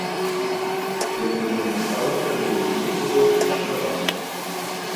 Яны былі настаўнікамі і людзьмі ў вёсцы шанаванымі.